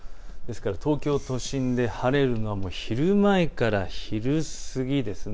東京都心で晴れるのは昼前から昼過ぎです。